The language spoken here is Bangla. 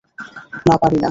না, পারি না।